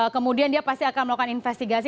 kemudian dia pasti akan melakukan investigasi